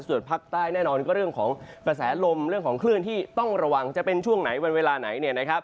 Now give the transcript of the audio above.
ส่วนภาคใต้แน่นอนก็เรื่องของกระแสลมเรื่องของคลื่นที่ต้องระวังจะเป็นช่วงไหนวันเวลาไหนเนี่ยนะครับ